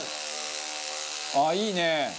ああいいね。